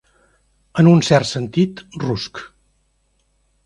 En un cert sentit, rusc.